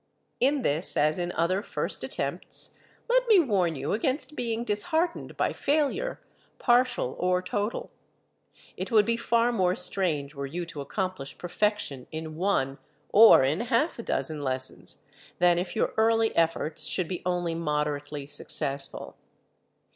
In this, as in other first attempts, let me warn you against being disheartened by failure, partial or total. It would be far more strange were you to accomplish perfection in one, or in half a dozen lessons, than if your early efforts should be only moderately successful.